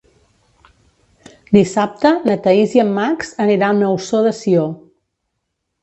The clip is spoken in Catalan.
Dissabte na Thaís i en Max aniran a Ossó de Sió.